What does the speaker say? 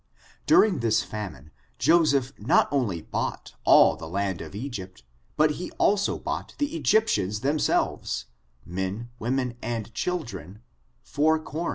During this famine, Joseph not only bought all the land of Egypt, but he also bought the Egyptians themselves, men, women and children, for com.